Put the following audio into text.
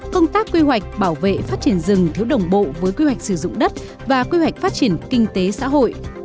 công tác quy hoạch bảo vệ phát triển rừng thiếu đồng bộ với quy hoạch sử dụng đất và quy hoạch phát triển kinh tế xã hội